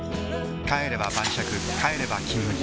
帰れば晩酌帰れば「金麦」